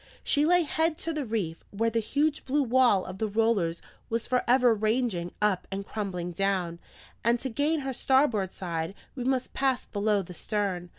She lay head to the reef, where the huge blue wall of the rollers was for ever ranging up and crumbling down; and to gain her starboard side, we must pass below the stern.